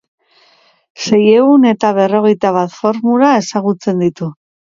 Seiehun eta berrogeita bat formula ezagutzen ditu.